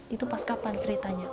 itu pas kapan ceritanya